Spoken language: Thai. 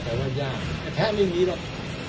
แต่ว่าแพ้ไม่มีหรอก